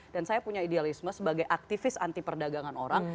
dan saya punya idealisme sebagai aktivis anti perdagangan orang